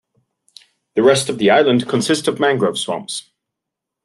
The rest of the island consists of mangrove swamps.